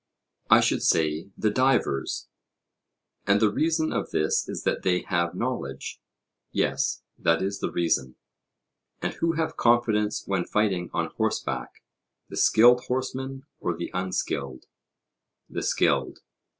I should say, the divers. And the reason of this is that they have knowledge? Yes, that is the reason. And who have confidence when fighting on horseback the skilled horseman or the unskilled? The skilled.